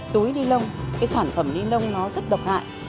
túi ni lông cái sản phẩm ni lông nó rất độc hại